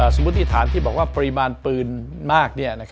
สมมุติฐานที่บอกว่าปริมาณปืนมาก